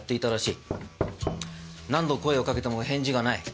何度声をかけても返事がない。